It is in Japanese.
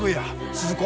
鈴子！